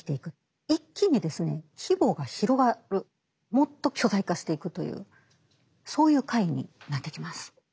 もっと巨大化していくというそういう回になってきます。